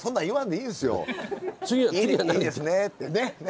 いいですねってね。